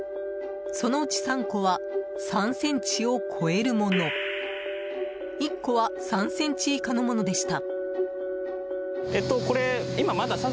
そのうち３個は３ｃｍを超えるもの１個は３ｃｍ以下のものでした。